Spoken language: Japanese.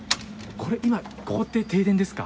これ、今停電ですか。